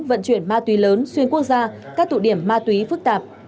vận chuyển ma túy lớn xuyên quốc gia các tụ điểm ma túy phức tạp